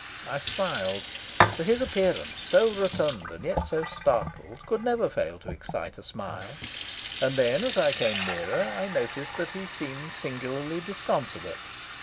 I smiled, for his appearance, so rotund and yet so startled, could never fail to excite a smile, and then as I came nearer I noticed that he seemed singularly disconsolate.